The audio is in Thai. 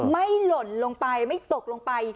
หล่นลงไปไม่ตกลงไป